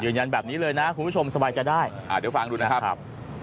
ยืนยันแบบนี้เลยนะคุณผู้ชมสบายใจได้เดี๋ยวฟังดูนะครับ